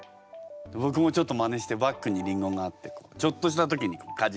僕もちょっとまねしてバッグにりんごがあってちょっとした時にこうかじってみたり。